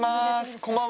こんばんは。